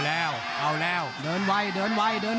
ภูตวรรณสิทธิ์บุญมีน้ำเงิน